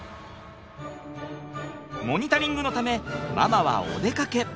モニタリングのためママはお出かけ。